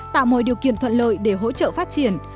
tạo mọi điều kiện thuận lợi để hỗ trợ phát triển